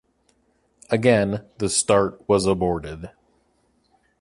Again, the start was aborted.